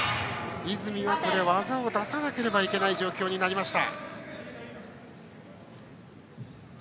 泉は技を出さなければいけない状況になりました。